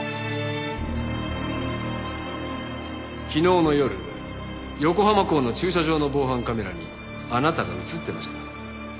昨日の夜横浜港の駐車場の防犯カメラにあなたが映ってました。